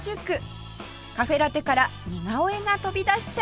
カフェラテから似顔絵が飛び出しちゃいました